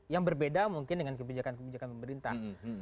yang berbeda mungkin dengan kebijakan kebijakan pemerintah